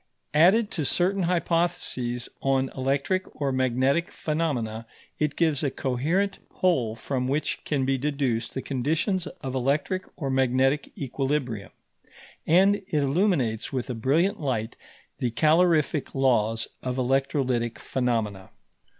Added to certain hypotheses on electric or magnetic phenomena, it gives a coherent whole from which can be deduced the conditions of electric or magnetic equilibrium; and it illuminates with a brilliant light the calorific laws of electrolytic phenomena.